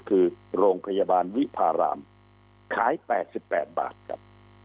คือโรงพยาบาลวิภารามขายแปดสิบแปดบาทครับ